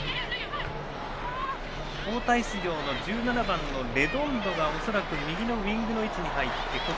交代出場の１７番のレドンドが恐らく右のウイングの位置に入っています。